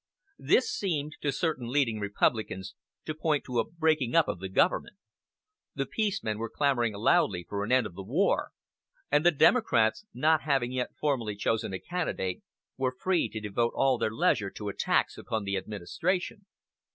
This seemed, to certain leading Republicans, to point to a breaking up of the government. The "Peace" men were clamoring loudly for an end of the war; and the Democrats, not having yet formally chosen a candidate, were free to devote all their leisure to attacks upon the administration.